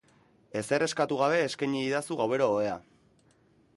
Ezer eskatu gabe eskeini didazu gauero ohea.